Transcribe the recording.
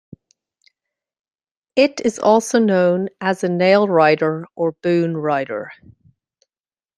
It is also known as a "nail writer" or "boon writer.